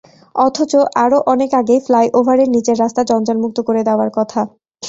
অথচ আরও অনেক আগেই ফ্লাইওভারের নিচের রাস্তা জঞ্জালমুক্ত করে দেওয়ার কথা।